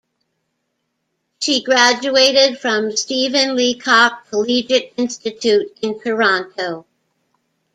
She graduated from Stephen Leacock Collegiate Institute in Toronto.